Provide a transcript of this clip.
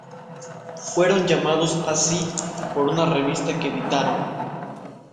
Fueron llamados así por una revista que editaron.